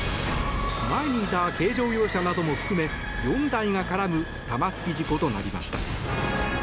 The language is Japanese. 前にいた軽乗用車なども含め４台が絡む玉突き事故となりました。